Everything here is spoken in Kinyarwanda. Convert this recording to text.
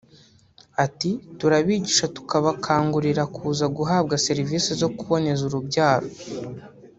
Ati “ Turabigisha tukabakangurira kuza guhabwa serivise zo kuboneza urubyaro